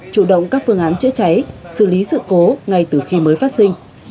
chủ động các phương án chữa cháy xử lý sự cố ngay từ khi mới phát sinh